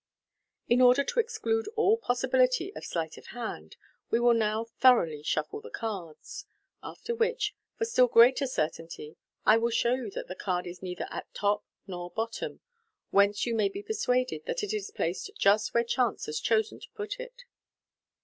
" In order to exclude all possibility of sleight of hand, we will now thoroughly shuffle the cards 3 after which, for still greater certainty, 1 will show you that the card is neither at top nor bottom, whence you may be persuaded that it is placed just where chance has chosen to put it."